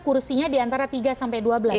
kursinya di antara tiga sampai dua belas